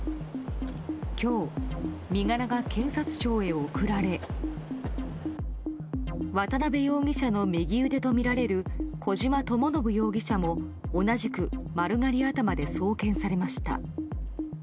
今日、身柄が検察庁へ送られ渡辺容疑者の右腕とみられる小島智信容疑者も同じく丸刈り頭で送検されました。